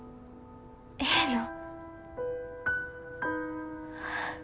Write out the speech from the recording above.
ええの？